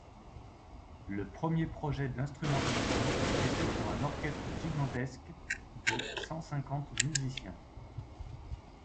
Le premier projet d'instrumentation était pour un orchestre gigantesque de cent cinquante musiciens.